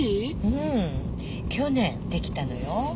うん去年できたのよ。